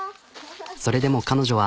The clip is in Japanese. それでも彼女は。